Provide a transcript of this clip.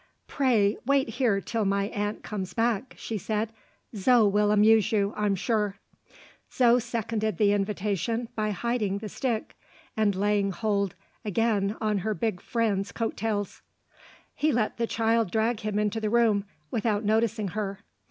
"Pray wait here till my aunt comes back," she said. "Zo will amuse you, I'm sure." Zo seconded the invitation by hiding the stick, and laying hold again on her big friend's coattails. He let the child drag him into the room, without noticing her.